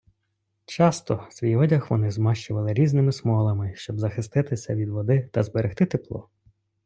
Часто свій одяг вони змащували різними смолами, щоб захиститися від води та зберегти тепло.